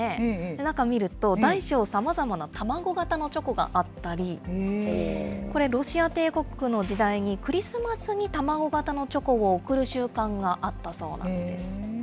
中見ると、大小さまざまな卵形のチョコがあったり、これ、ロシア帝国の時代にクリスマスに卵形のチョコを贈る習慣があったそうなんです。